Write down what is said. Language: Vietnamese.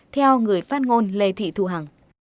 theo người phát ngôn lê thị thu hằng